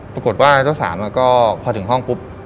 ปรากฏว่าเจ้าสาวก็พอถึงห้องปุ๊บ